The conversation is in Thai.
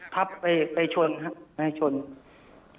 ครับไปชนครับ